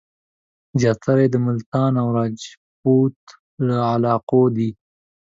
زیاتره یې د ملتان او راجپوت له علاقو دي.